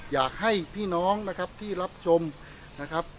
อยากให้พี่น้องนะครับที่รับชมนะครับ